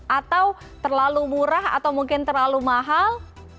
atau terlalu murah atau mungkin terlalu mahal